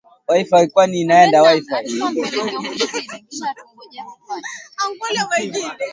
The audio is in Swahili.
Ili kusaidia kupambana na kundi la waasi lenye vurugu linalojulikana kama Majeshi ya demokrasia ya washirika.